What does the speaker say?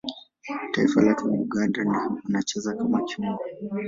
Taifa lake ni Uganda na anacheza kama kiungo.